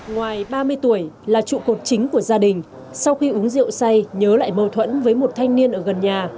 ngoài ba mươi tuổi là trụ cột chính của gia đình sau khi uống rượu say nhớ lại mâu thuẫn với một thanh niên ở gần nhà